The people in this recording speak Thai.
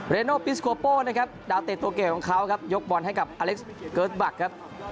โนปิสโกโป้นะครับดาวเตะตัวเก่งของเขาครับยกบอลให้กับอเล็กซ์เกิร์ตบักครับ